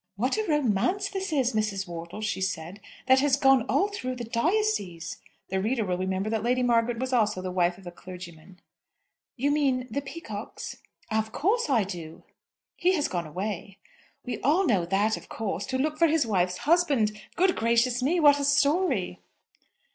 "What a romance this is, Mrs. Wortle," she said, "that has gone all through the diocese!" The reader will remember that Lady Margaret was also the wife of a clergyman. "You mean the Peacockes?" "Of course I do." "He has gone away." "We all know that, of course; to look for his wife's husband. Good gracious me! What a story!"